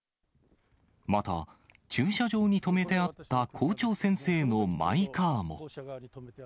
また、駐車場に止めてあった校長先生のマイカーも。